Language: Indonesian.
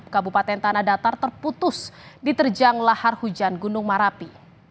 kabupaten tanah datar terputus diterjang lahar hujan gunung marapi